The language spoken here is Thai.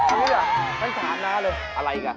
อันนี้ล่ะไม่ถามนะเลย